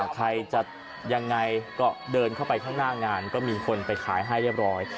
ใครจะยังไงก็เดินเข้าไปข้างหน้างานก็มีคนไปขายให้เรียบร้อย